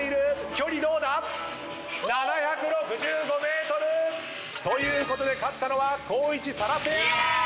距離どうだ⁉７６５ｍ！ということで勝ったのは光一・紗来ペア！